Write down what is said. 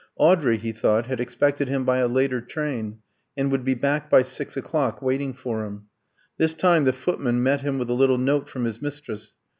Audrey, he thought, had expected him by a later train, and would be back by six o'clock, waiting for him. This time the footman met him with a little note from his mistress.